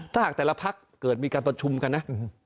ถ้าหากแต่ละพักเกิดมีการประชุมกันนะ